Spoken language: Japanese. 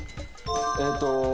えっと。